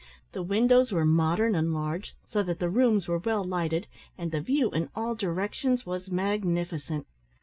The windows were modern and large, so that the rooms were well lighted, and the view in all directions was magnificent.